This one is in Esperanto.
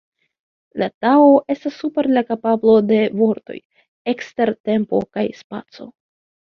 La Tao estas super la kapablo de vortoj, ekster tempo kaj spaco.